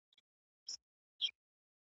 د مجلس پریکړي څنګه خلګو ته رسیږي؟